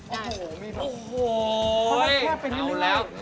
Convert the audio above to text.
โอ้โหโอ้โหเอาแล้ว